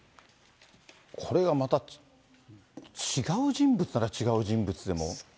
これがまた違う人物なら違う人物でも。